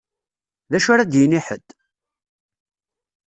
D acu ara d-yini ḥedd?